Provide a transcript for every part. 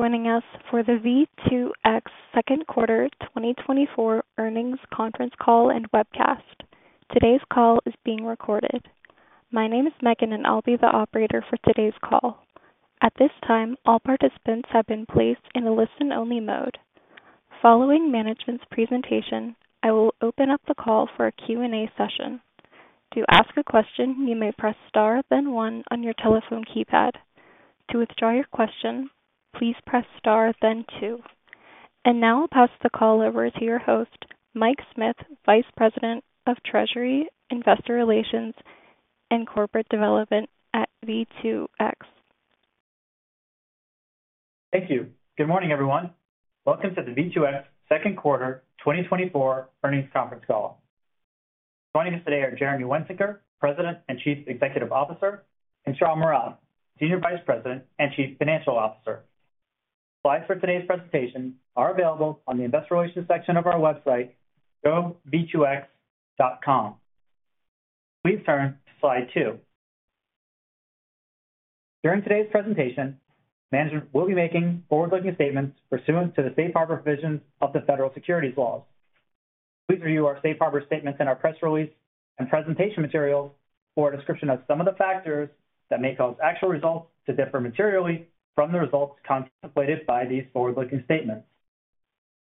Thank you for joining us for the V2X second quarter 2024 earnings conference call and webcast. Today's call is being recorded. My name is Megan, and I'll be the operator for today's call. At this time, all participants have been placed in a listen-only mode. Following management's presentation, I will open up the call for a Q&A session. To ask a question, you may press star, then one on your telephone keypad. To withdraw your question, please press star, then two. And now I'll pass the call over to your host, Mike Smith, Vice President of Treasury, Investor Relations, and Corporate Development at V2X. Thank you. Good morning, everyone. Welcome to the V2X second quarter 2024 earnings conference call. Joining us today are Jeremy Wensinger, President and Chief Executive Officer, and Shawn Mural, Senior Vice President and Chief Financial Officer. Slides for today's presentation are available on the investor relations section of our website, v2x.com. Please turn to slide two. During today's presentation, management will be making forward-looking statements pursuant to the safe harbor provisions of the federal securities laws. Please review our safe harbor statements in our press release and presentation materials for a description of some of the factors that may cause actual results to differ materially from the results contemplated by these forward-looking statements.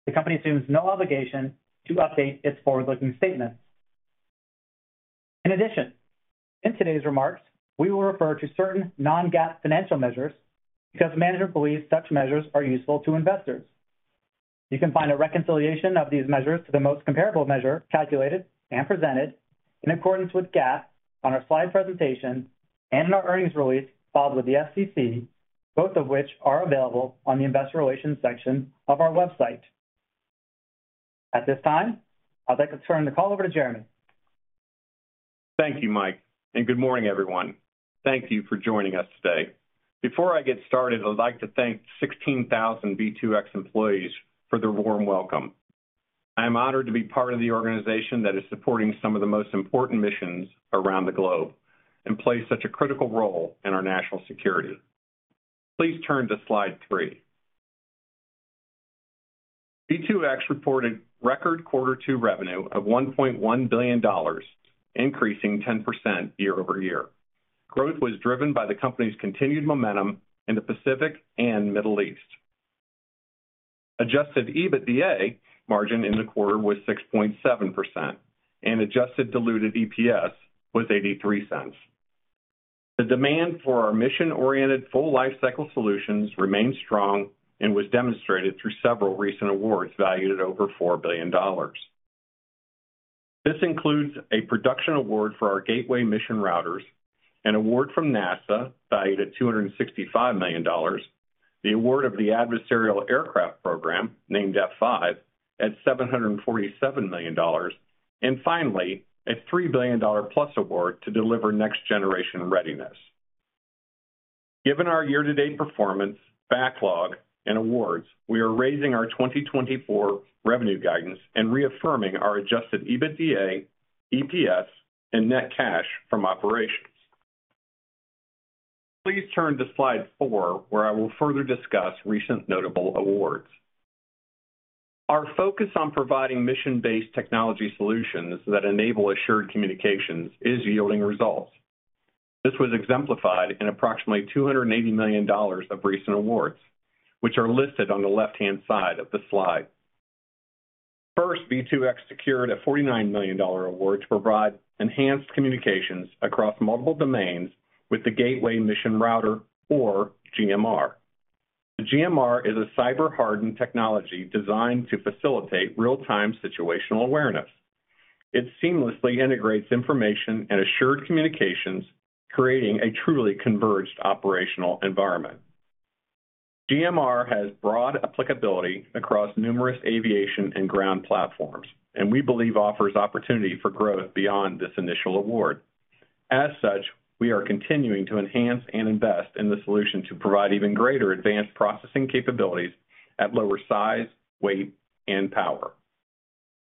The company assumes no obligation to update its forward-looking statements. In addition, in today's remarks, we will refer to certain non-GAAP financial measures because management believes such measures are useful to investors. You can find a reconciliation of these measures to the most comparable measure, calculated and presented in accordance with GAAP on our slide presentation and in our earnings release filed with the SEC, both of which are available on the Investor Relations section of our website. At this time, I'd like to turn the call over to Jeremy. Thank you, Mike, and good morning, everyone. Thank you for joining us today. Before I get started, I'd like to thank the 16,000 V2X employees for their warm welcome. I am honored to be part of the organization that is supporting some of the most important missions around the globe and plays such a critical role in our national security. Please turn to slide three. V2X reported record quarter two revenue of $1.1 billion, increasing 10% year-over-year. Growth was driven by the company's continued momentum in the Pacific and Middle East. Adjusted EBITDA margin in the quarter was 6.7%, and adjusted diluted EPS was $0.83. The demand for our mission-oriented, full lifecycle solutions remained strong and was demonstrated through several recent awards valued at over $4 billion. This includes a production award for our Gateway Mission Routers, an award from NASA valued at $265 million, the award of the Adversary Aircraft Program, named F-5, at $747 million, and finally, a $3 billion+ award to deliver Next-Generation Readiness. Given our year-to-date performance, backlog, and awards, we are raising our 2024 revenue guidance and reaffirming our adjusted EBITDA, EPS, and net cash from operations. Please turn to slide four, where I will further discuss recent notable awards. Our focus on providing mission-based technology solutions that enable assured communications is yielding results. This was exemplified in approximately $280 million of recent awards, which are listed on the left-hand side of the slide. First, V2X secured a $49 million award to provide enhanced communications across multiple domains with the Gateway Mission Router, or GMR. The GMR is a cyber-hardened technology designed to facilitate real-time situational awareness. It seamlessly integrates information and assured communications, creating a truly converged operational environment. GMR has broad applicability across numerous aviation and ground platforms, and we believe offers opportunity for growth beyond this initial award. As such, we are continuing to enhance and invest in the solution to provide even greater advanced processing capabilities at lower size, weight, and power.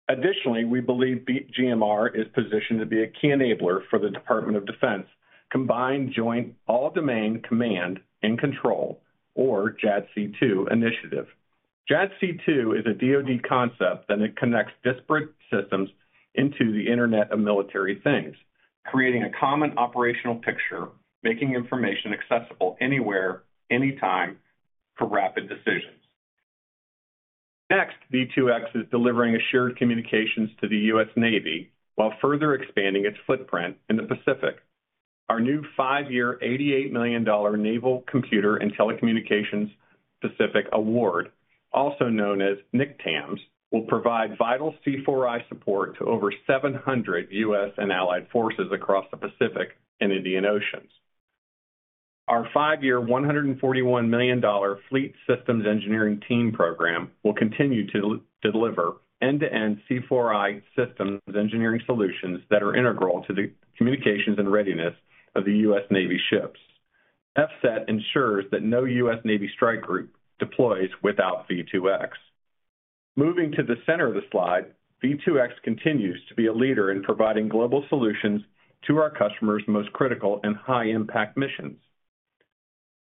Additionally, we believe GMR is positioned to be a key enabler for the Department of Defense, Combined Joint All-Domain Command and Control, or JADC2 initiative. JADC2 is a DoD concept, and it connects disparate systems into the Internet of Military Things, creating a common operational picture, making information accessible anywhere, anytime for rapid decisions. Next, V2X is delivering assured communications to the U.S. Navy while further expanding its footprint in the Pacific. Our new 5-year, $88 million Naval Computer and Telecommunications Pacific award, also known as NCTAMS, will provide vital C4I support to over 700 U.S. and allied forces across the Pacific and Indian Oceans. Our 5-year, $141 million Fleet Systems Engineering Team program will continue to deliver end-to-end C4I systems engineering solutions that are integral to the communications and readiness of the U.S. Navy ships. FSET ensures that no U.S. Navy strike group deploys without V2X. Moving to the center of the slide, V2X continues to be a leader in providing global solutions to our customers' most critical and high-impact missions.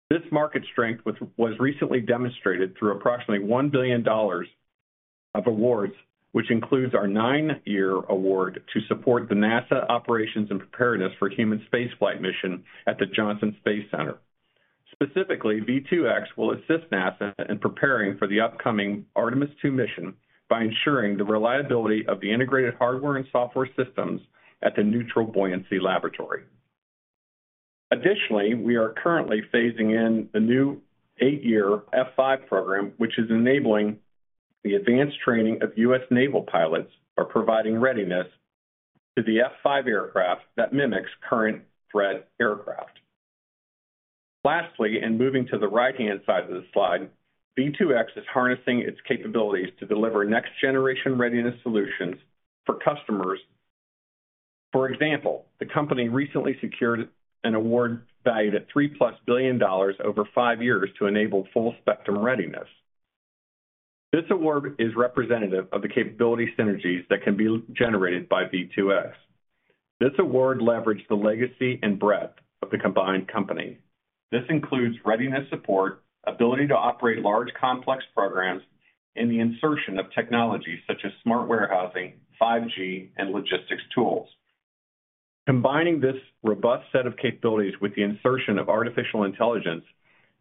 This market strength was recently demonstrated through approximately $1 billion of awards, which includes our 9-year award to support the NASA Operations and Preparedness for Human Space Flight Mission at the Johnson Space Center. Specifically, V2X will assist NASA in preparing for the upcoming Artemis II mission by ensuring the reliability of the integrated hardware and software systems at the Neutral Buoyancy Laboratory. Additionally, we are currently phasing in the new 8-year F-5 program, which is enabling the advanced training of U.S. naval pilots, or providing readiness to the F-5 aircraft that mimics current threat aircraft. Lastly, in moving to the right-hand side of the slide, V2X is harnessing its capabilities to deliver next-generation readiness solutions for customers. For example, the company recently secured an award valued at $3+ billion over five years to enable full spectrum readiness. This award is representative of the capability synergies that can be generated by V2X. This award leveraged the legacy and breadth of the combined company. This includes readiness support, ability to operate large, complex programs, and the insertion of technologies such as smart warehousing, 5G, and logistics tools. Combining this robust set of capabilities with the insertion of artificial intelligence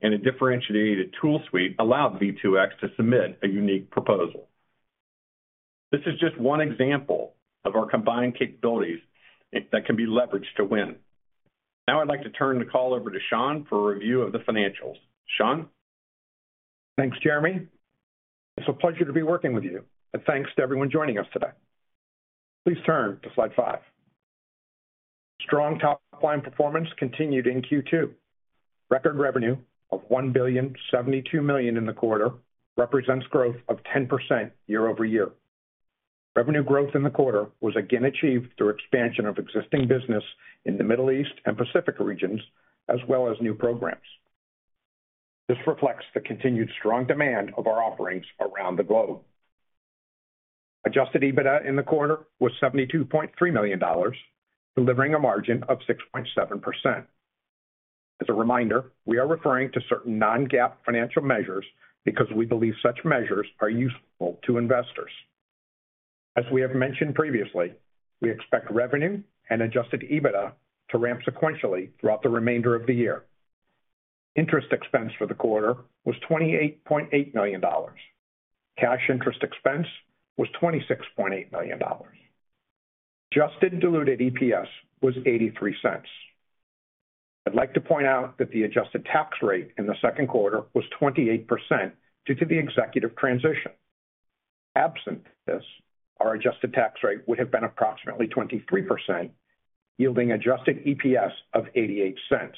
and a differentiated tool suite allowed V2X to submit a unique proposal. This is just one example of our combined capabilities that can be leveraged to win. Now I'd like to turn the call over to Shawn for a review of the financials. Shawn? Thanks, Jeremy. It's a pleasure to be working with you, and thanks to everyone joining us today. Please turn to slide five. Strong top-line performance continued in Q2. Record revenue of $1.072 billion in the quarter represents growth of 10% year-over-year. Revenue growth in the quarter was again achieved through expansion of existing business in the Middle East and Pacific regions, as well as new programs. This reflects the continued strong demand of our offerings around the globe. Adjusted EBITDA in the quarter was $72.3 million, delivering a margin of 6.7%. As a reminder, we are referring to certain non-GAAP financial measures because we believe such measures are useful to investors. As we have mentioned previously, we expect revenue and adjusted EBITDA to ramp sequentially throughout the remainder of the year. Interest expense for the quarter was $28.8 million. Cash interest expense was $26.8 million. Adjusted Diluted EPS was $0.83. I'd like to point out that the adjusted tax rate in the second quarter was 28% due to the executive transition. Absent this, our adjusted tax rate would have been approximately 23%, yielding adjusted EPS of $0.88.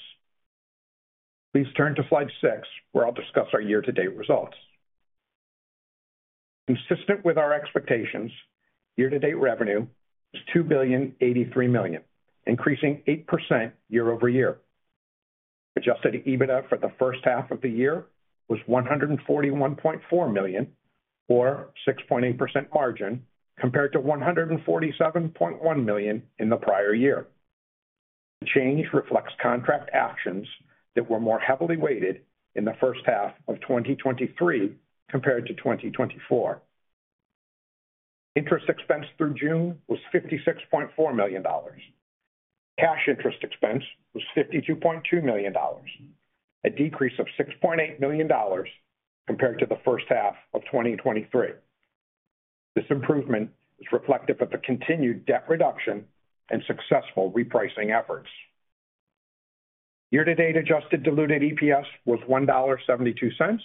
Please turn to slide six, where I'll discuss our year-to-date results. Consistent with our expectations, year-to-date revenue is $2.083 billion, increasing 8% year-over-year. Adjusted EBITDA for the first half of the year was $141.4 million, or 6.8% margin, compared to $147.1 million in the prior year. The change reflects contract actions that were more heavily weighted in the first half of 2023 compared to 2024. Interest expense through June was $56.4 million. Cash interest expense was $52.2 million, a decrease of $6.8 million compared to the first half of 2023. This improvement is reflective of the continued debt reduction and successful repricing efforts. Year-to-date Adjusted Diluted EPS was $1.72,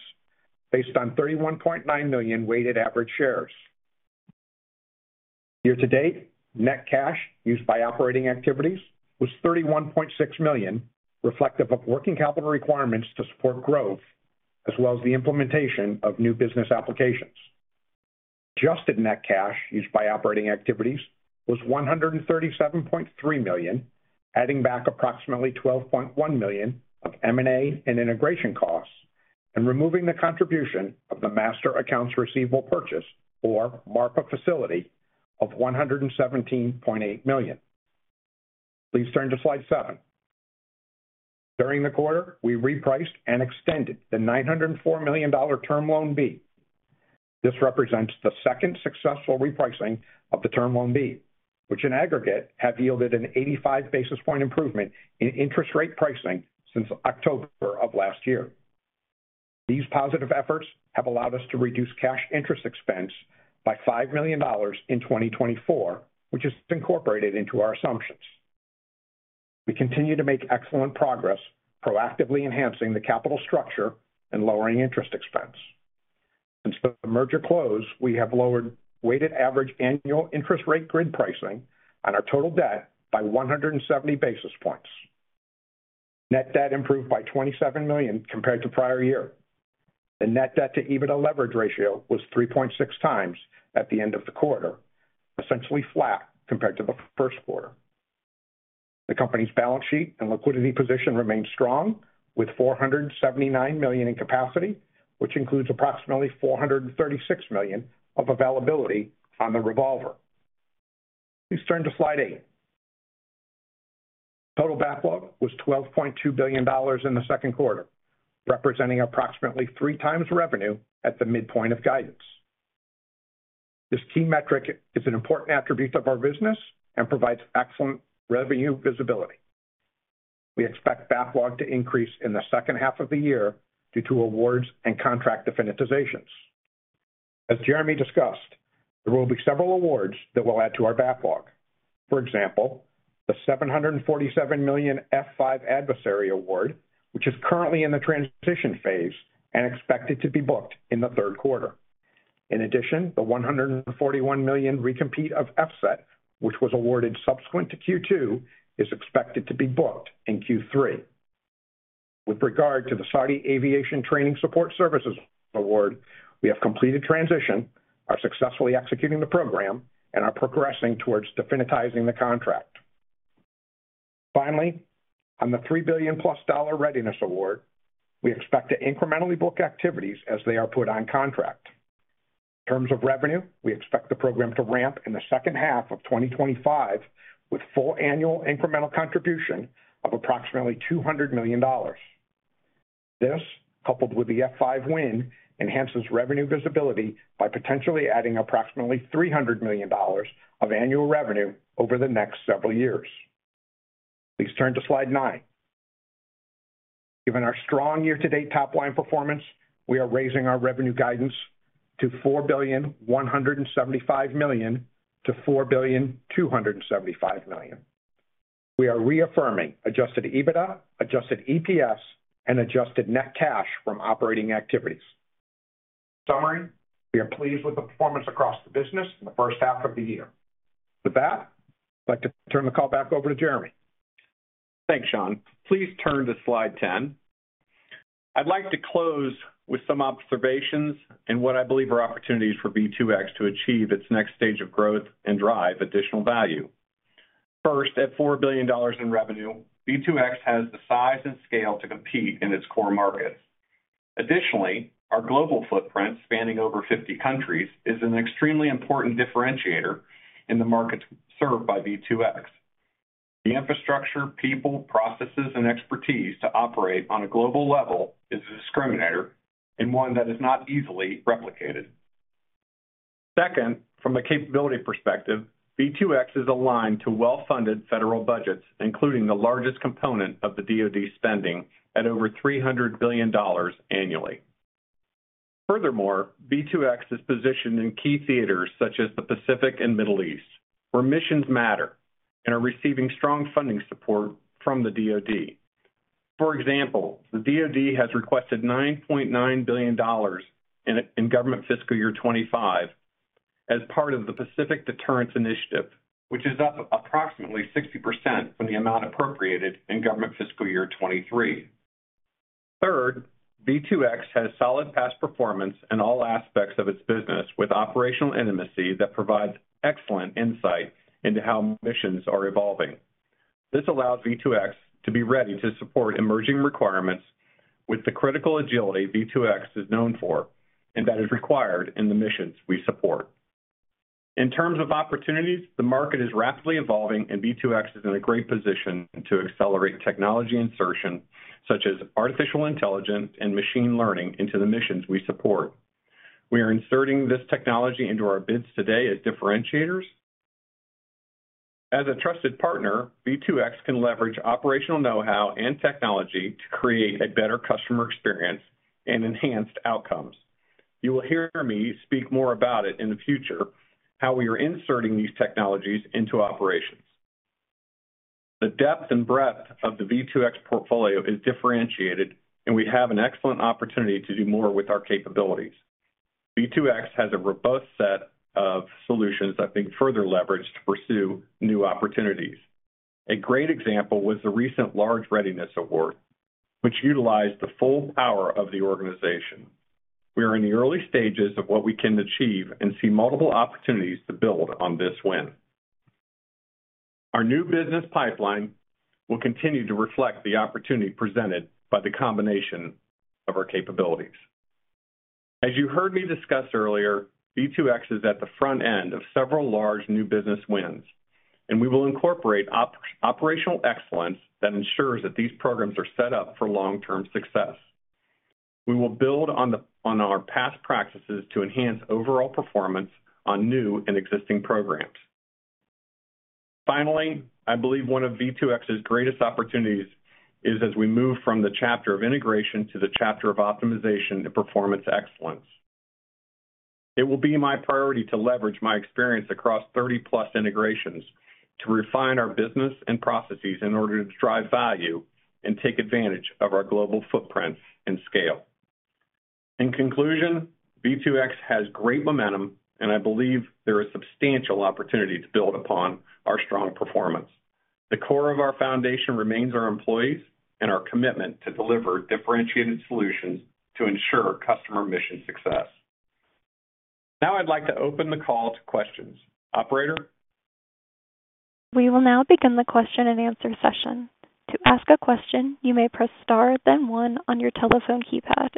based on $31.9 million weighted average shares. Year-to-date, net cash used by operating activities was $31.6 million, reflective of working capital requirements to support growth, as well as the implementation of new business applications. Adjusted net cash used by operating activities was $137.3 million, adding back approximately $12.1 million of M&A and integration costs, and removing the contribution of the master accounts receivable purchase, or MARPA facility, of $117.8 million. Please turn to slide seven. During the quarter, we repriced and extended the $904 million Term Loan B. This represents the second successful repricing of the Term Loan B, which in aggregate have yielded an 85 basis point improvement in interest rate pricing since October of last year. These positive efforts have allowed us to reduce cash interest expense by $5 million in 2024, which is incorporated into our assumptions. We continue to make excellent progress, proactively enhancing the capital structure and lowering interest expense. Since the merger close, we have lowered weighted average annual interest rate grid pricing on our total debt by 170 basis points. Net debt improved by $27 million compared to prior year. The net debt to EBITDA leverage ratio was 3.6x at the end of the quarter, essentially flat compared to the first quarter... The company's balance sheet and liquidity position remains strong, with $479 million in capacity, which includes approximately $436 million of availability on the revolver. Please turn to slide eight. Total backlog was $12.2 billion in the second quarter, representing approximately 3x revenue at the midpoint of guidance. This key metric is an important attribute of our business and provides excellent revenue visibility. We expect backlog to increase in the second half of the year due to awards and contract definitizations. As Jeremy discussed, there will be several awards that will add to our backlog. For example, the $747 million F-5 adversary award, which is currently in the transition phase and expected to be booked in the third quarter. In addition, the $141 million recompete of FSET, which was awarded subsequent to Q2, is expected to be booked in Q3. With regard to the Saudi Aviation Training Support Services Award, we have completed transition, are successfully executing the program, and are progressing towards definitizing the contract. Finally, on the $3 billion+ readiness award, we expect to incrementally book activities as they are put on contract. In terms of revenue, we expect the program to ramp in the second half of 2025, with full annual incremental contribution of approximately $200 million. This, coupled with the F-5 win, enhances revenue visibility by potentially adding approximately $300 million of annual revenue over the next several years. Please turn to slide nine. Given our strong year-to-date top-line performance, we are raising our revenue guidance to $4.175 billion-$4.275 billion. We are reaffirming adjusted EBITDA, adjusted EPS, and adjusted net cash from operating activities. In summary, we are pleased with the performance across the business in the first half of the year. With that, I'd like to turn the call back over to Jeremy. Thanks, Shawn. Please turn to slide 10. I'd like to close with some observations and what I believe are opportunities for V2X to achieve its next stage of growth and drive additional value. First, at $4 billion in revenue, V2X has the size and scale to compete in its core markets. Additionally, our global footprint, spanning over 50 countries, is an extremely important differentiator in the markets served by V2X. The infrastructure, people, processes, and expertise to operate on a global level is a discriminator and one that is not easily replicated. Second, from a capability perspective, V2X is aligned to well-funded federal budgets, including the largest component of the DoD spending at over $300 billion annually. Furthermore, V2X is positioned in key theaters such as the Pacific and Middle East, where missions matter and are receiving strong funding support from the DoD. For example, the DoD has requested $9.9 billion in government fiscal year 2025 as part of the Pacific Deterrence Initiative, which is up approximately 60% from the amount appropriated in government fiscal year 2023. Third, V2X has solid past performance in all aspects of its business, with operational intimacy that provides excellent insight into how missions are evolving. This allows V2X to be ready to support emerging requirements with the critical agility V2X is known for and that is required in the missions we support. In terms of opportunities, the market is rapidly evolving, and V2X is in a great position to accelerate technology insertion, such as artificial intelligence and machine learning, into the missions we support. We are inserting this technology into our bids today as differentiators. As a trusted partner, V2X can leverage operational know-how and technology to create a better customer experience and enhanced outcomes. You will hear me speak more about it in the future, how we are inserting these technologies into operations. The depth and breadth of the V2X portfolio is differentiated, and we have an excellent opportunity to do more with our capabilities. V2X has a robust set of solutions that bring further leverage to pursue new opportunities. A great example was the recent large readiness award, which utilized the full power of the organization. We are in the early stages of what we can achieve and see multiple opportunities to build on this win. Our new business pipeline will continue to reflect the opportunity presented by the combination of our capabilities. As you heard me discuss earlier, V2X is at the front end of several large new business wins, and we will incorporate operational excellence that ensures that these programs are set up for long-term success. We will build on our past practices to enhance overall performance on new and existing programs. Finally, I believe one of V2X's greatest opportunities is as we move from the chapter of integration to the chapter of optimization and performance excellence. It will be my priority to leverage my experience across 30+ integrations to refine our business and processes in order to drive value and take advantage of our global footprint and scale. In conclusion, V2X has great momentum, and I believe there is substantial opportunity to build upon our strong performance. The core of our foundation remains our employees and our commitment to deliver differentiated solutions to ensure customer mission success.... Now I'd like to open the call to questions. Operator? We will now begin the question and answer session. To ask a question, you may press star, then one on your telephone keypad.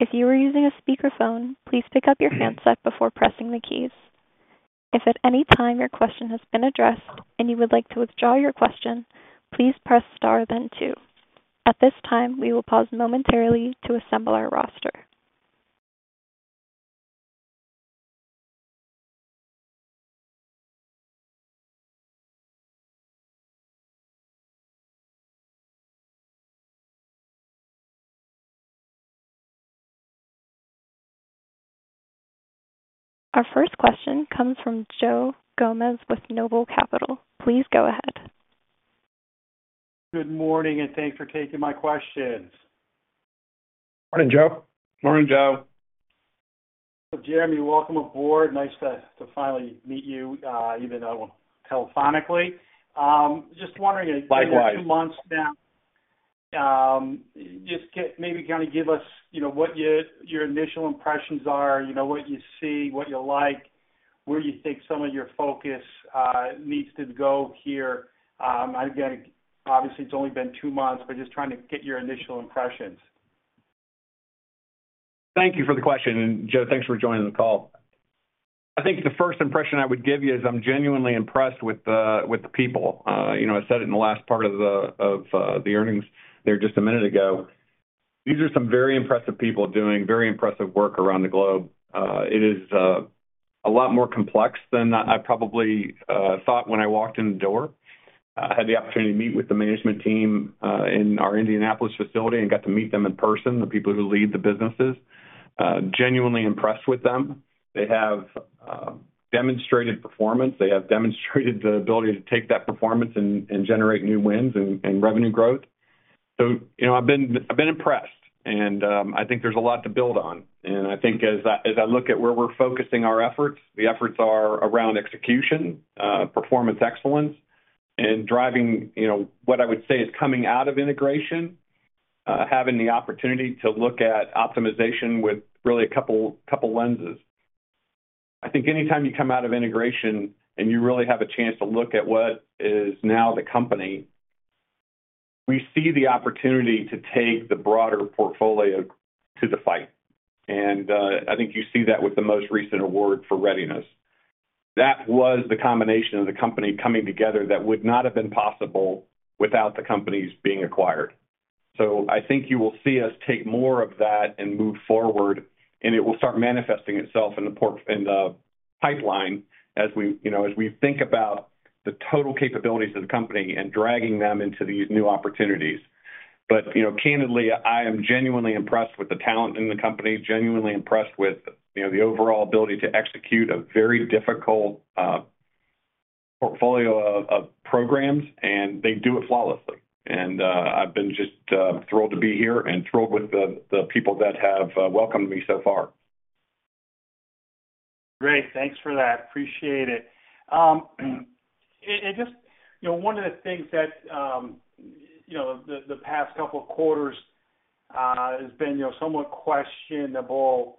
If you are using a speakerphone, please pick up your handset before pressing the keys. If at any time your question has been addressed and you would like to withdraw your question, please press star then two. At this time, we will pause momentarily to assemble our roster. Our first question comes from Joe Gomes with Noble Capital Markets. Please go ahead. Good morning, and thanks for taking my questions. Morning, Joe. Morning, Joe. Jeremy, welcome aboard. Nice to finally meet you, even though telephonically. Just wondering- Likewise. Two months down, just get maybe kind of give us, you know, what your, your initial impressions are, you know, what you see, what you like, where you think some of your focus needs to go here. I get it, obviously, it's only been two months, but just trying to get your initial impressions. Thank you for the question, and Joe, thanks for joining the call. I think the first impression I would give you is I'm genuinely impressed with the people. You know, I said it in the last part of the earnings there just a minute ago. These are some very impressive people doing very impressive work around the globe. It is a lot more complex than I probably thought when I walked in the door. I had the opportunity to meet with the management team in our Indianapolis facility and got to meet them in person, the people who lead the businesses. Genuinely impressed with them. They have demonstrated performance. They have demonstrated the ability to take that performance and generate new wins and revenue growth. So, you know, I've been, I've been impressed, and I think there's a lot to build on. And I think as I, as I look at where we're focusing our efforts, the efforts are around execution, performance excellence, and driving, you know, what I would say is coming out of integration, having the opportunity to look at optimization with really a couple, couple lenses. I think anytime you come out of integration and you really have a chance to look at what is now the company, we see the opportunity to take the broader portfolio to the fight. And I think you see that with the most recent award for readiness. That was the combination of the company coming together that would not have been possible without the companies being acquired. So I think you will see us take more of that and move forward, and it will start manifesting itself in the pipeline as we, you know, as we think about the total capabilities of the company and dragging them into these new opportunities. But, you know, candidly, I am genuinely impressed with the talent in the company, genuinely impressed with, you know, the overall ability to execute a very difficult portfolio of programs, and they do it flawlessly. And I've been just thrilled to be here and thrilled with the people that have welcomed me so far. Great. Thanks for that. Appreciate it. And just, you know, one of the things that, you know, the past couple of quarters has been, you know, somewhat questionable,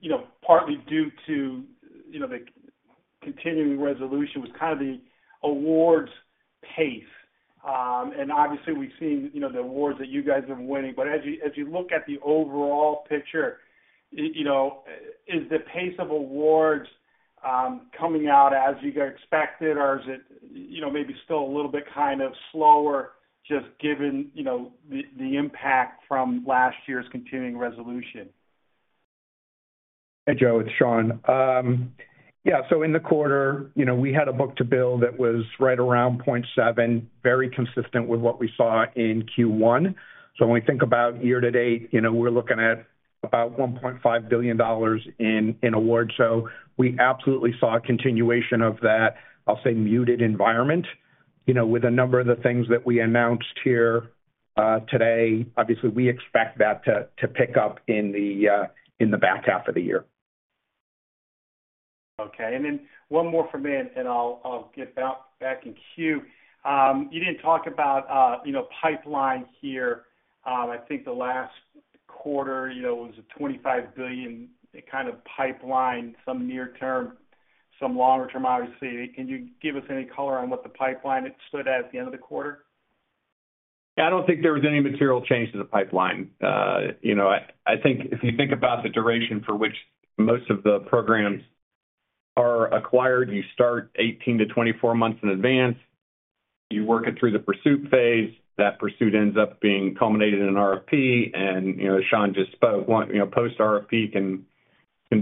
you know, partly due to, you know, the Continuing Resolution, was kind of the awards pace. And obviously, we've seen, you know, the awards that you guys are winning. But as you look at the overall picture, you know, is the pace of awards coming out as you guys expected, or is it, you know, maybe still a little bit kind of slower, just given, you know, the impact from last year's Continuing Resolution? Hey, Joe, it's Shawn. Yeah, so in the quarter, you know, we had a book-to-bill that was right around 0.7, very consistent with what we saw in Q1. So when we think about year to date, you know, we're looking at about $1.5 billion in awards. So we absolutely saw a continuation of that, I'll say, muted environment. You know, with a number of the things that we announced here today, obviously, we expect that to pick up in the back half of the year. Okay, and then one more from me, and I'll, I'll get back, back in queue. You didn't talk about, you know, pipeline here. I think the last quarter, you know, was a $25 billion kind of pipeline, some near term, some longer term, obviously. Can you give us any color on what the pipeline it stood at at the end of the quarter? I don't think there was any material change to the pipeline. You know, I think if you think about the duration for which most of the programs are acquired, you start 18-24 months in advance. You work it through the pursuit phase. That pursuit ends up being culminated in an RFP, and, you know, Shawn just spoke, you know, post RFP can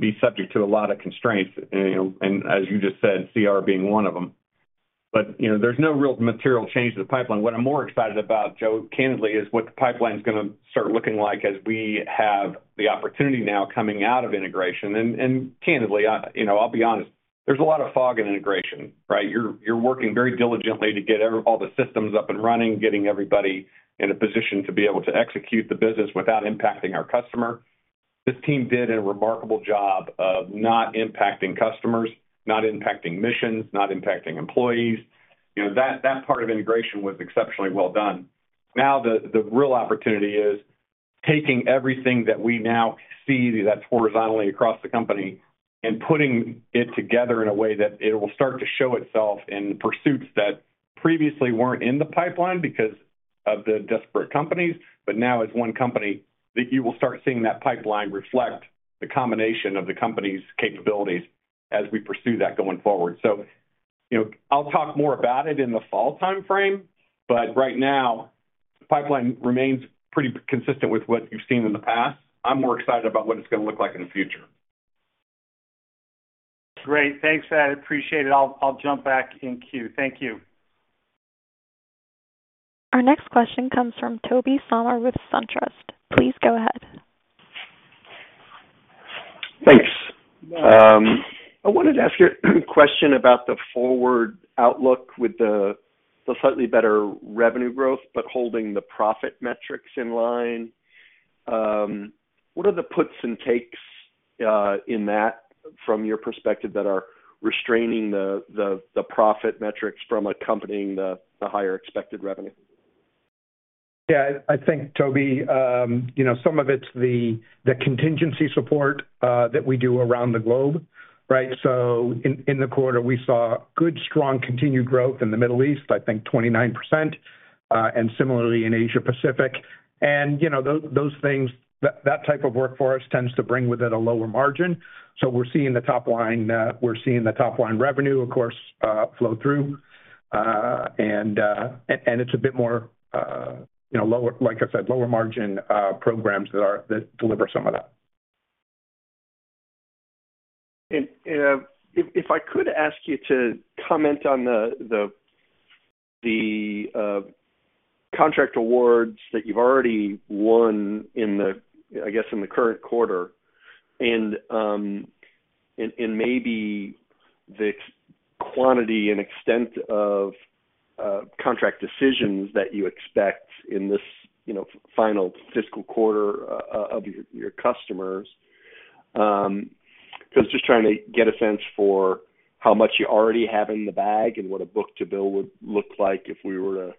be subject to a lot of constraints, you know, and as you just said, CR being one of them. But, you know, there's no real material change to the pipeline. What I'm more excited about, Joe, candidly, is what the pipeline is gonna start looking like as we have the opportunity now coming out of integration. And candidly, you know, I'll be honest, there's a lot of fog in integration, right? You're working very diligently to get all the systems up and running, getting everybody in a position to be able to execute the business without impacting our customer. This team did a remarkable job of not impacting customers, not impacting missions, not impacting employees. You know, that part of integration was exceptionally well done.... Now the real opportunity is taking everything that we now see that's horizontally across the company and putting it together in a way that it will start to show itself in pursuits that previously weren't in the pipeline because of the disparate companies. But now, as one company, that you will start seeing that pipeline reflect the combination of the company's capabilities as we pursue that going forward. So, you know, I'll talk more about it in the fall timeframe, but right now, the pipeline remains pretty consistent with what you've seen in the past. I'm more excited about what it's gonna look like in the future. Great. Thanks, I appreciate it. I'll, I'll jump back in queue. Thank you. Our next question comes from Tobey Sommer with SunTrust. Please go ahead. Thanks. I wanted to ask you a question about the forward outlook with the slightly better revenue growth, but holding the profit metrics in line. What are the puts and takes in that from your perspective, that are restraining the profit metrics from accompanying the higher expected revenue? Yeah, I think, Tobey, you know, some of it's the contingency support that we do around the globe, right? So in the quarter, we saw good, strong, continued growth in the Middle East, I think 29%, and similarly in Asia Pacific. And, you know, those things, that type of work for us tends to bring with it a lower margin. So we're seeing the top line, we're seeing the top line revenue, of course, flow through. And it's a bit more, you know, lower, like I said, lower margin programs that deliver some of that. If I could ask you to comment on the contract awards that you've already won in the, I guess, in the current quarter, and maybe the quantity and extent of contract decisions that you expect in this, you know, final fiscal quarter of your customers. Because just trying to get a sense for how much you already have in the bag and what a book-to-bill would look like if we were to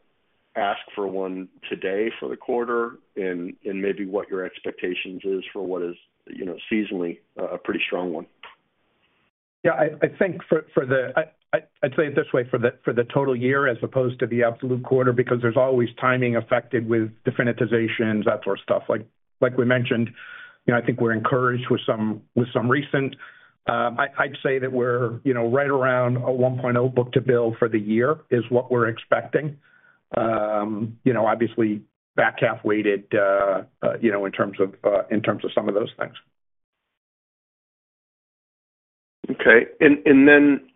ask for one today for the quarter, and maybe what your expectations is for what is, you know, seasonally, a pretty strong one. Yeah, I think for the... I'd say it this way, for the total year, as opposed to the absolute quarter, because there's always timing affected with definitizations, that sort of stuff. Like we mentioned, you know, I think we're encouraged with some recent... I'd say that we're, you know, right around a 1.0 book-to-bill for the year, is what we're expecting. You know, obviously, back half weighted, you know, in terms of some of those things. Okay. And then,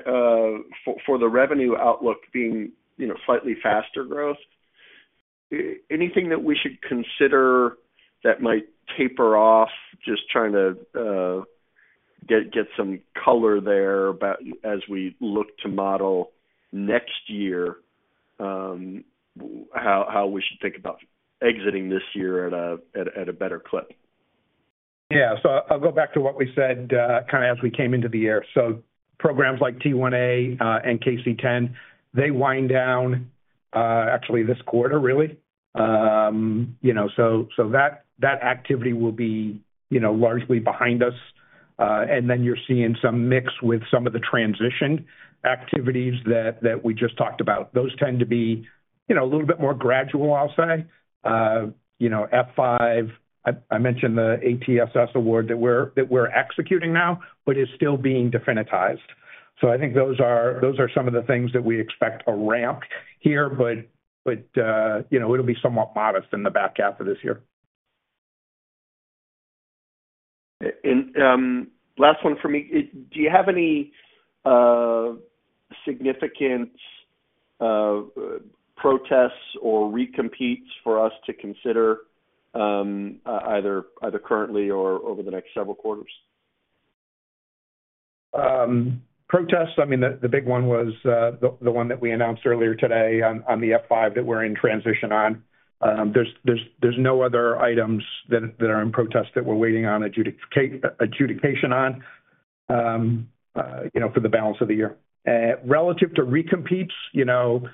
for the revenue outlook being, you know, slightly faster growth, anything that we should consider that might taper off? Just trying to get some color there about as we look to model next year, how we should think about exiting this year at a better clip. Yeah. So I'll go back to what we said, kind of as we came into the year. So programs like T-1A and KC-10, they wind down, actually this quarter, really. You know, so, so that, that activity will be, you know, largely behind us. And then you're seeing some mix with some of the transition activities that, that we just talked about. Those tend to be, you know, a little bit more gradual, I'll say. You know, F-5, I, I mentioned the ATSS award that we're, that we're executing now, but is still being definitized. So I think those are, those are some of the things that we expect to ramp here, but, but, you know, it'll be somewhat modest in the back half of this year. Last one for me. Do you have any significant protests or recompetes for us to consider, either currently or over the next several quarters? Protests, I mean, the big one was the one that we announced earlier today on the F-5, that we're in transition on. There's no other items that are in protest that we're waiting on adjudication on, you know, for the balance of the year. Relative to recompetes, you know,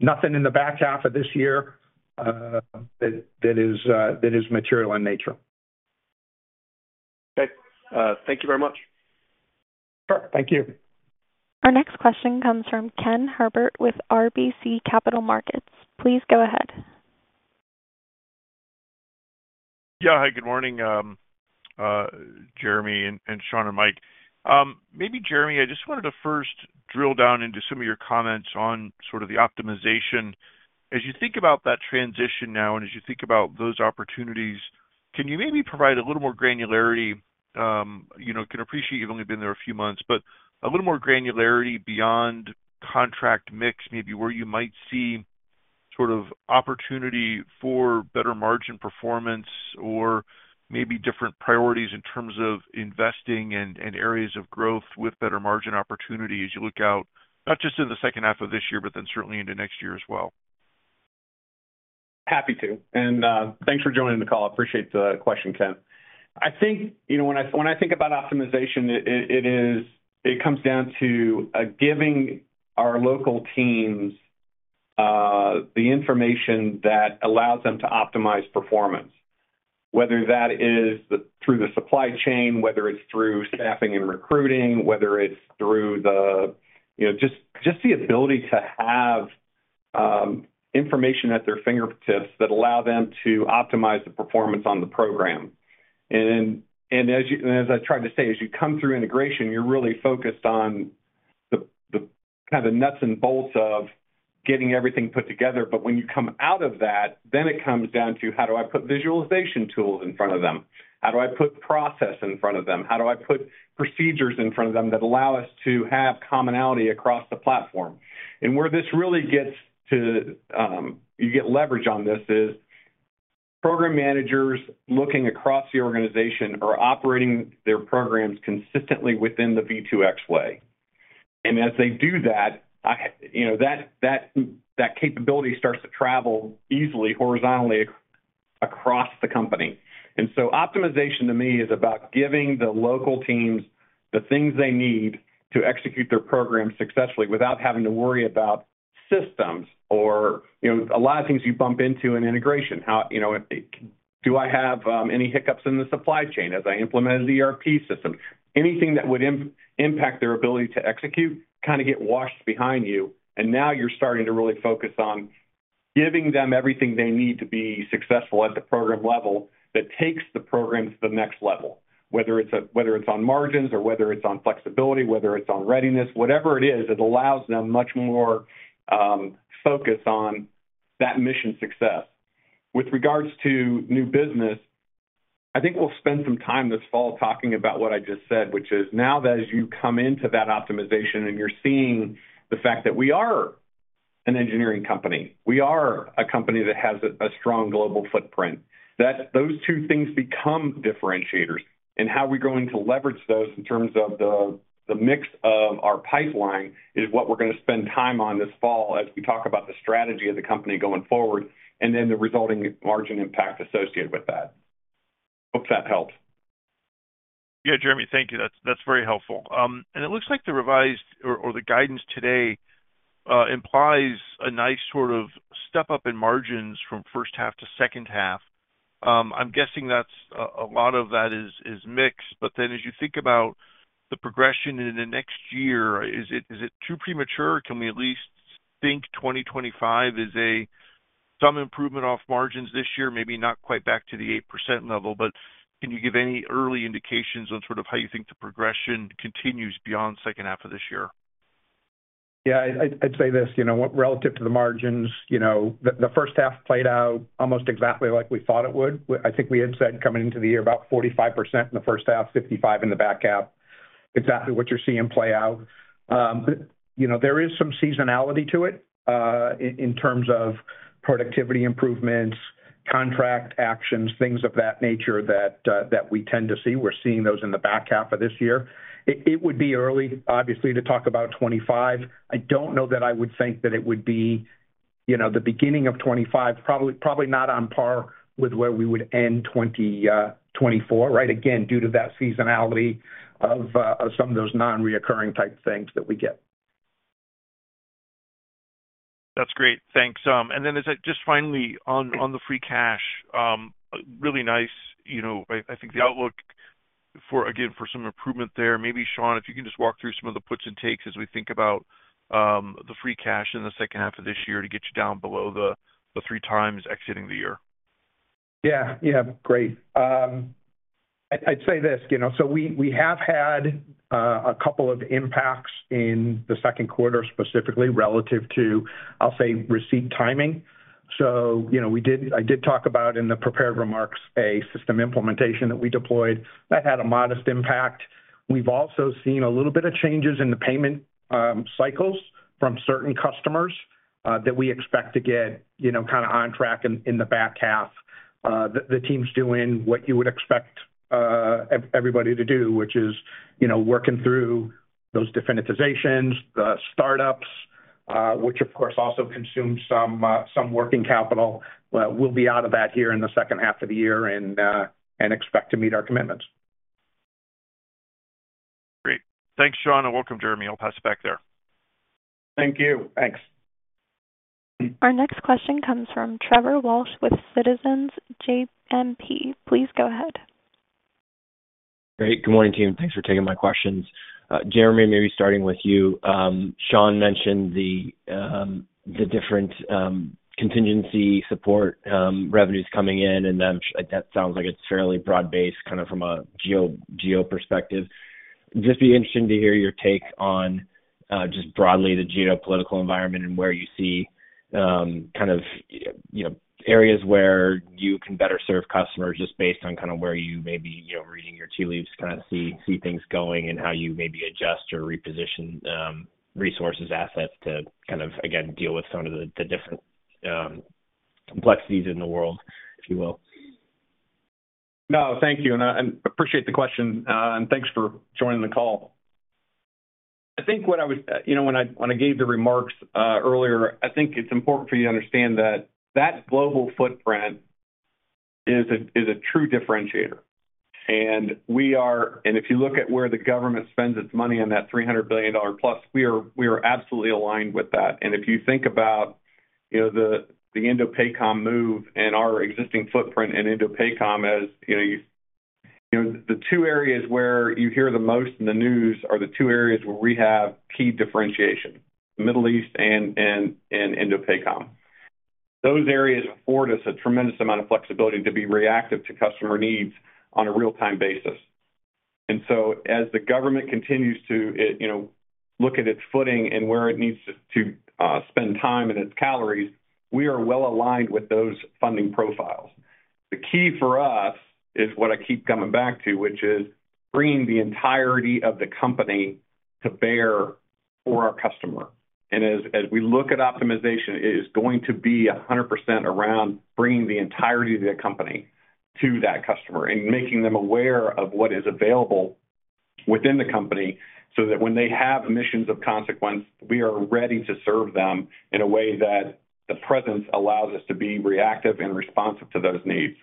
nothing in the back half of this year that is material in nature. Okay. Thank you very much. Sure. Thank you. Our next question comes from Ken Herbert with RBC Capital Markets. Please go ahead. Yeah. Hi, good morning, Jeremy and Shawn, and Mike. Maybe Jeremy, I just wanted to first drill down into some of your comments on sort of the optimization. As you think about that transition now, and as you think about those opportunities, can you maybe provide a little more granularity? You know, I can appreciate you've only been there a few months, but a little more granularity beyond contract mix, maybe where you might see sort of opportunity for better margin performance or maybe different priorities in terms of investing and areas of growth with better margin opportunity as you look out, not just in the second half of this year, but then certainly into next year as well.... Happy to, and, thanks for joining the call. I appreciate the question, Ken. I think, you know, when I think about optimization, it is, it comes down to giving our local teams the information that allows them to optimize performance, whether that is through the supply chain, whether it's through staffing and recruiting, whether it's through the, you know, just, just the ability to have information at their fingertips that allow them to optimize the performance on the program. And, and as you, as I tried to say, as you come through integration, you're really focused on the kind of nuts and bolts of getting everything put together. But when you come out of that, then it comes down to: How do I put visualization tools in front of them? How do I put process in front of them? How do I put procedures in front of them that allow us to have commonality across the platform? And where this really gets to, you get leverage on this is program managers looking across the organization are operating their programs consistently within the V2X way. And as they do that, I, you know, that capability starts to travel easily horizontally across the company. And so optimization, to me, is about giving the local teams the things they need to execute their program successfully without having to worry about systems or, you know, a lot of things you bump into in integration. How, you know, do I have any hiccups in the supply chain as I implement an ERP system? Anything that would impact their ability to execute kind of get washed behind you, and now you're starting to really focus on giving them everything they need to be successful at the program level that takes the program to the next level, whether it's on margins or whether it's on flexibility, whether it's on readiness. Whatever it is, it allows them much more focus on that mission success. With regards to new business, I think we'll spend some time this fall talking about what I just said, which is now that as you come into that optimization and you're seeing the fact that we are an engineering company, we are a company that has a strong global footprint, that those two things become differentiators. How we're going to leverage those in terms of the mix of our pipeline is what we're going to spend time on this fall as we talk about the strategy of the company going forward, and then the resulting margin impact associated with that. Hope that helped. Yeah, Jeremy, thank you. That's, that's very helpful. And it looks like the revised or the guidance today implies a nice sort of step-up in margins from first half to second half. I'm guessing that's a lot of that is mixed. But then as you think about the progression in the next year, is it too premature, or can we at least think 2025 is some improvement off margins this year, maybe not quite back to the 8% level, but can you give any early indications on sort of how you think the progression continues beyond second half of this year? Yeah, I'd say this, you know, relative to the margins, you know, the first half played out almost exactly like we thought it would. I think we had said, coming into the year, about 45% in the first half, 55% in the back half, exactly what you're seeing play out. You know, there is some seasonality to it, in terms of productivity improvements, contract actions, things of that nature that we tend to see. We're seeing those in the back half of this year. It would be early, obviously, to talk about 2025. I don't know that I would think that it would be, you know, the beginning of 2025, probably, probably not on par with where we would end 2024, right? Again, due to that seasonality of some of those non-recurring type things that we get. That's great. Thanks. And then as I just finally on the free cash, really nice, you know, I think the outlook for, again, for some improvement there. Maybe, Shawn, if you can just walk through some of the puts and takes as we think about the free cash in the second half of this year to get you down below the three times exiting the year. Yeah. Yeah. Great. I'd say this, you know, so we have had a couple of impacts in the second quarter, specifically relative to, I'll say, receipt timing. So, you know, we did, I did talk about in the prepared remarks, a system implementation that we deployed that had a modest impact. We've also seen a little bit of changes in the payment cycles from certain customers that we expect to get, you know, kind of on track in the back half. The team's doing what you would expect everybody to do, which is, you know, working through those definitizations, the startups, which of course, also consumes some working capital. We'll be out of that here in the second half of the year and expect to meet our commitments. Great. Thanks, Shawn, and welcome, Jeremy. I'll pass it back there. Thank you. Thanks. Our next question comes from Trevor Walsh with Citizens JMP. Please go ahead. Great. Good morning, team. Thanks for taking my questions. Jeremy, maybe starting with you. Shawn mentioned the different contingency support revenues coming in, and then that sounds like it's fairly broad-based, kind of from a geo perspective. Just be interesting to hear your take on, just broadly, the geopolitical environment and where you see, kind of, you know, areas where you can better serve customers just based on kind of where you may be, you know, reading your tea leaves, kind of see things going and how you maybe adjust or reposition, resources, assets to kind of, again, deal with some of the different complexities in the world, if you will.... No, thank you. And I, I appreciate the question, and thanks for joining the call. I think what I was, you know, when I, when I gave the remarks, earlier, I think it's important for you to understand that that global footprint is a, is a true differentiator. And we are, and if you look at where the government spends its money on that $300+ billion, we are, we are absolutely aligned with that. And if you think about, you know, the, the INDOPACOM move and our existing footprint in INDOPACOM, as, you know, you-- You know, the two areas where you hear the most in the news are the two areas where we have key differentiation, Middle East and, and, and INDOPACOM. Those areas afford us a tremendous amount of flexibility to be reactive to customer needs on a real-time basis. And so as the government continues to you know look at its footing and where it needs to spend time and its calories, we are well aligned with those funding profiles. The key for us is what I keep coming back to, which is bringing the entirety of the company to bear for our customer. And as we look at optimization, it is going to be 100% around bringing the entirety of the company to that customer and making them aware of what is available within the company, so that when they have missions of consequence, we are ready to serve them in a way that the presence allows us to be reactive and responsive to those needs.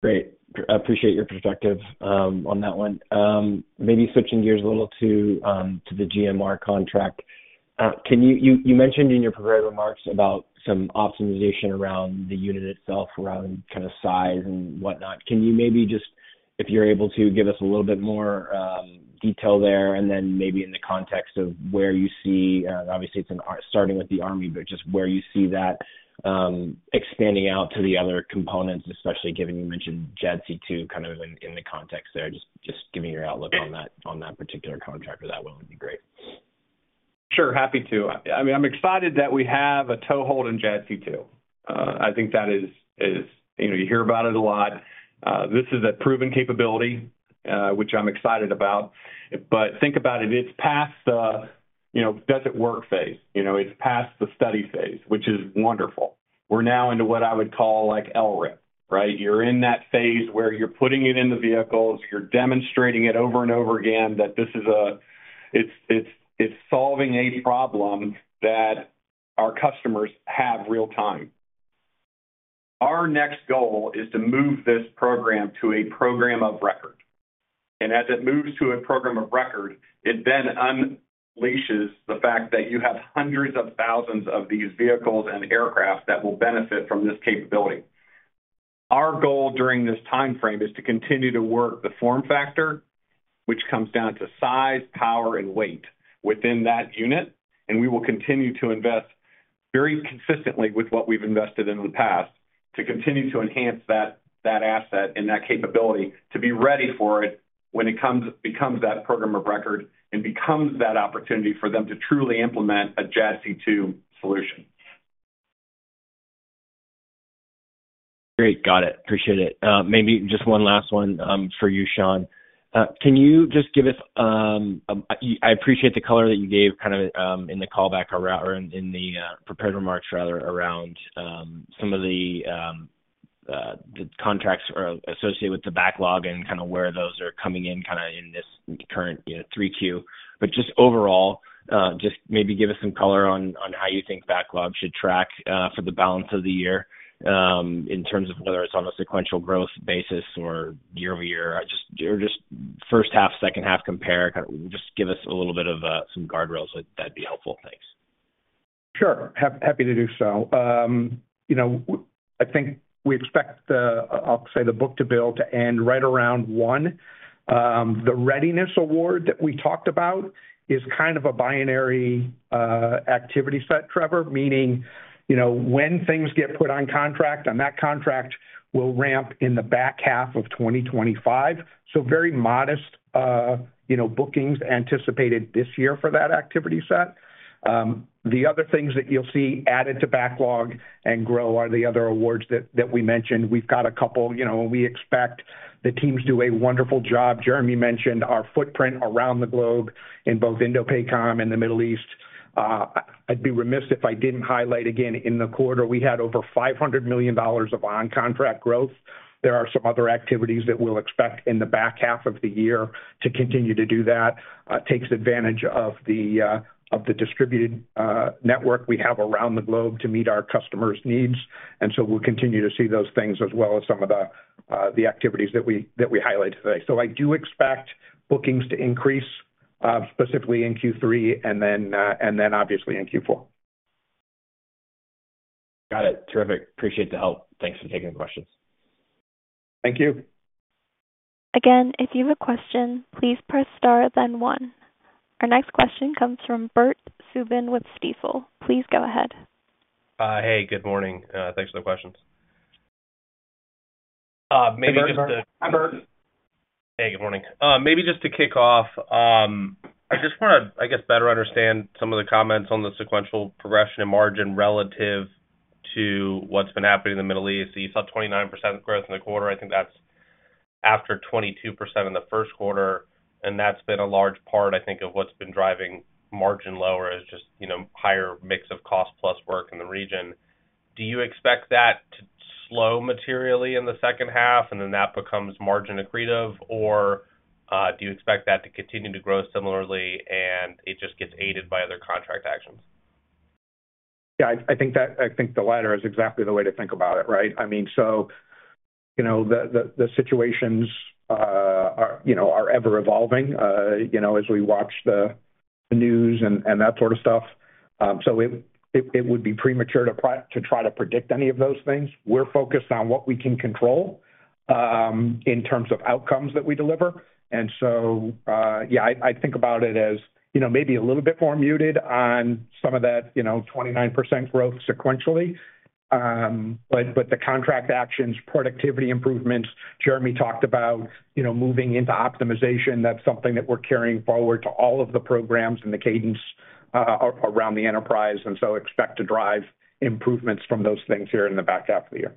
Great. I appreciate your perspective on that one. Maybe switching gears a little to the GMR contract. Can you you mentioned in your prepared remarks about some optimization around the unit itself, around kind of size and whatnot. Can you maybe just, if you're able to, give us a little bit more detail there, and then maybe in the context of where you see, obviously it's starting with the Army, but just where you see that expanding out to the other components, especially given you mentioned JADC2 kind of in the context there. Just giving your outlook on that, on that particular contract for that one would be great. Sure, happy to. I mean, I'm excited that we have a toehold in JADC2. I think that is, you know, you hear about it a lot. This is a proven capability, which I'm excited about. But think about it, it's past the, you know, does it work phase, you know? It's past the study phase, which is wonderful. We're now into what I would call, like, LRIP, right? You're in that phase where you're putting it in the vehicles, you're demonstrating it over and over again, that this is a, it's solving a problem that our customers have real time. Our next goal is to move this program to a program of record. As it moves to a program of record, it then unleashes the fact that you have hundreds of thousands of these vehicles and aircraft that will benefit from this capability. Our goal during this time frame is to continue to work the form factor, which comes down to size, power, and weight within that unit, and we will continue to invest very consistently with what we've invested in the past, to continue to enhance that asset and that capability to be ready for it when it becomes that program of record and becomes that opportunity for them to truly implement a JADC2 solution. Great. Got it. Appreciate it. Maybe just one last one for you, Shawn. Can you just give us, I appreciate the color that you gave, kind of, in the call back around or in, in the prepared remarks, rather, around some of the the contracts or associated with the backlog and kind of where those are coming in, kind of, in this current, you know, 3Q. But just overall, just maybe give us some color on, on how you think backlog should track for the balance of the year, in terms of whether it's on a sequential growth basis or year over year, or just, or just first half, second half compare. Kind of just give us a little bit of some guardrails, that'd be helpful. Thanks. Sure. Happy to do so. You know, I think we expect the, I'll say, the book to build to end right around 1. The readiness award that we talked about is kind of a binary activity set, Trevor. Meaning, you know, when things get put on contract, on that contract will ramp in the back half of 2025. So very modest, you know, bookings anticipated this year for that activity set. The other things that you'll see added to backlog and grow are the other awards that we mentioned. We've got a couple. You know, we expect the teams do a wonderful job. Jeremy mentioned our footprint around the globe in both INDOPACOM and the Middle East. I'd be remiss if I didn't highlight again, in the quarter, we had over $500 million of on-contract growth. There are some other activities that we'll expect in the back half of the year to continue to do that, takes advantage of the distributed network we have around the globe to meet our customers' needs, and so we'll continue to see those things, as well as some of the activities that we highlighted today. So I do expect bookings to increase specifically in Q3 and then obviously in Q4. Got it. Terrific. Appreciate the help. Thanks for taking the questions. Thank you. Again, if you have a question, please press Star, then one. Our next question comes from Bert Subin with Stifel. Please go ahead. Hey, good morning. Thanks for the questions. Maybe just to- Hi, Bert. Hey, good morning. Maybe just to kick off, I just wanna, I guess, better understand some of the comments on the sequential progression and margin relative to what's been happening in the Middle East. So you saw 29% growth in the quarter. I think that's after 22% in the first quarter, and that's been a large part, I think, of what's been driving margin lower, is just, you know, higher mix of cost plus work in the region. Do you expect that to slow materially in the second half, and then that becomes margin accretive? Or, do you expect that to continue to grow similarly, and it just gets aided by other contract actions? Yeah, I think the latter is exactly the way to think about it, right? I mean, so, you know, the situations are, you know, are ever-evolving, you know, as we watch the news and that sort of stuff. So it would be premature to try to predict any of those things. We're focused on what we can control in terms of outcomes that we deliver. So yeah, I think about it as, you know, maybe a little bit more muted on some of that, you know, 29% growth sequentially. But the contract actions, productivity improvements, Jeremy talked about, you know, moving into optimization. That's something that we're carrying forward to all of the programs and the cadence around the enterprise, and so expect to drive improvements from those things here in the back half of the year.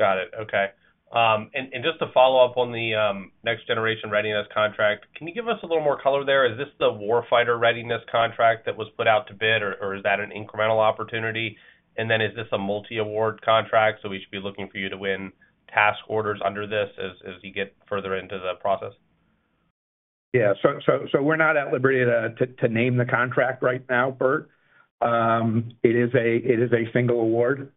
Got it. Okay. And just to follow up on the Next-Generation Readiness contract, can you give us a little more color there? Is this the warfighter readiness contract that was put out to bid, or is that an incremental opportunity? And then is this a multi-award contract, so we should be looking for you to win task orders under this as you get further into the process? Yeah. So we're not at liberty to name the contract right now, Bert. It is a single award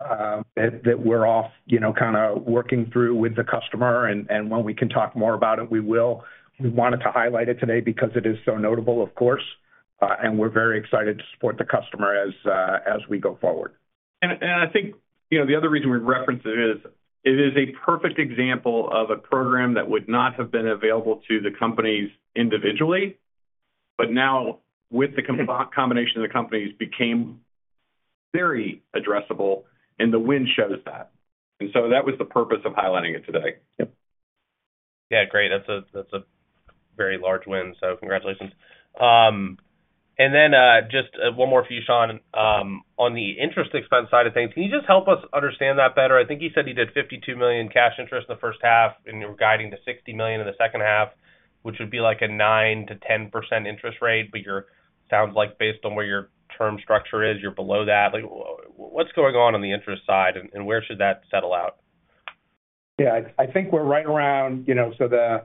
that we're off, you know, kinda working through with the customer, and when we can talk more about it, we will. We wanted to highlight it today because it is so notable, of course, and we're very excited to support the customer as we go forward. I think, you know, the other reason we reference it is, it is a perfect example of a program that would not have been available to the companies individually, but now with the combination of the companies, became very addressable, and the win shows that. And so that was the purpose of highlighting it today. Yep. Yeah, great. That's a very large win, so congratulations. And then, just one more for you, Shawn. On the interest expense side of things, can you just help us understand that better? I think you said you did $52 million cash interest in the first half, and you're guiding to $60 million in the second half, which would be like a 9%-10% interest rate. But you're, sounds like based on where your term structure is, you're below that. Like, what's going on on the interest side, and where should that settle out? Yeah, I think we're right around, you know, so the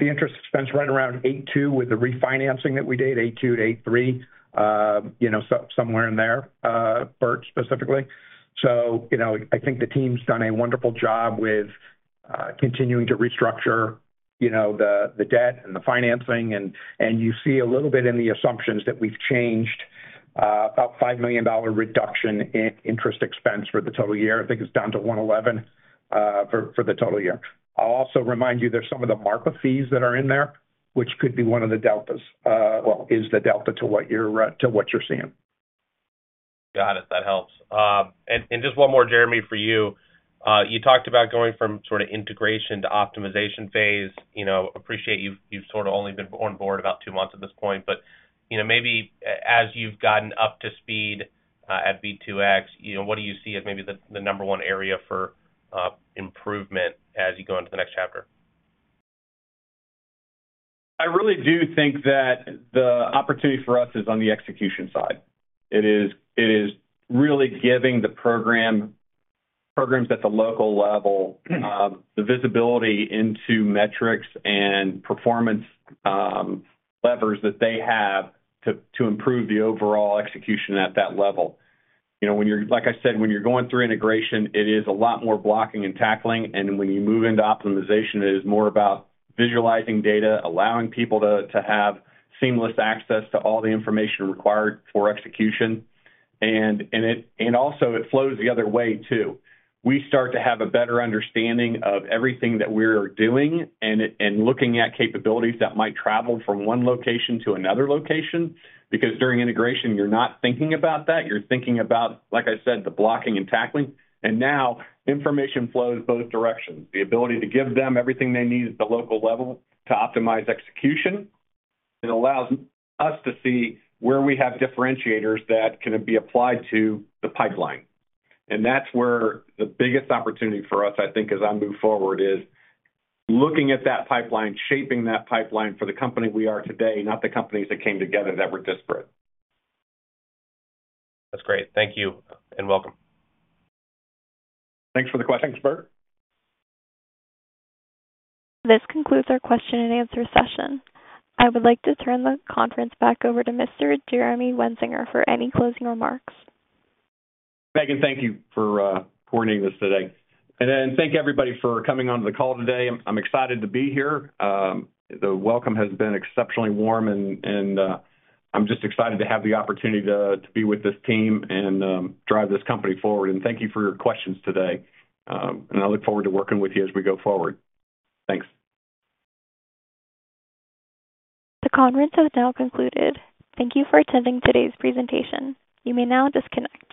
interest expense is right around $82 with the refinancing that we did, $82-$83. You know, so somewhere in there, Bert, specifically. So, you know, I think the team's done a wonderful job with continuing to restructure, you know, the debt and the financing, and you see a little bit in the assumptions that we've changed, about $5 million reduction in interest expense for the total year. I think it's down to $111, for the total year. I'll also remind you, there's some of the MARPA fees that are in there, which could be one of the deltas, well, is the delta to what you're to what you're seeing. Got it. That helps. And just one more, Jeremy, for you. You talked about going from sort of integration to optimization phase. You know, appreciate you've sort of only been on board about two months at this point, but you know, maybe as you've gotten up to speed at V2X, you know, what do you see as maybe the number one area for improvement as you go into the next chapter? I really do think that the opportunity for us is on the execution side. It is, it is really giving the program, programs at the local level, the visibility into metrics and performance, levers that they have to, to improve the overall execution at that level. You know, when you're-- Like I said, when you're going through integration, it is a lot more blocking and tackling, and when you move into optimization, it is more about visualizing data, allowing people to, to have seamless access to all the information required for execution. And, and it, and also it flows the other way, too. We start to have a better understanding of everything that we're doing and it, and looking at capabilities that might travel from one location to another location, because during integration, you're not thinking about that. You're thinking about, like I said, the blocking and tackling. And now information flows both directions. The ability to give them everything they need at the local level to optimize execution. It allows us to see where we have differentiators that can be applied to the pipeline. And that's where the biggest opportunity for us, I think, as I move forward, is looking at that pipeline, shaping that pipeline for the company we are today, not the companies that came together that were disparate. That's great. Thank you, and welcome. Thanks for the questions, Bert. This concludes our question and answer session. I would like to turn the conference back over to Mr. Jeremy Wensinger for any closing remarks. Megan, thank you for coordinating this today. And then thank you, everybody, for coming onto the call today. I'm excited to be here. The welcome has been exceptionally warm, and I'm just excited to have the opportunity to be with this team and drive this company forward. And thank you for your questions today, and I look forward to working with you as we go forward. Thanks. The conference has now concluded. Thank you for attending today's presentation. You may now disconnect.